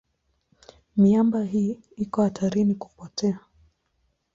Miamba hii iko hatarini kupotea.